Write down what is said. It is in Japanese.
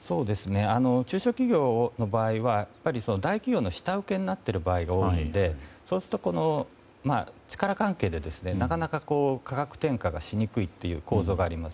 中小企業の場合は大企業の下請けになっている場合が多いので、そうすると力関係でなかなか価格転嫁がしにくいという構造があります。